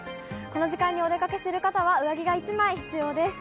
この時間にお出かけする方は、上着が１枚必要です。